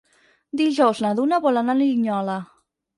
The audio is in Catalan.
Dijous na Duna vol anar a Linyola.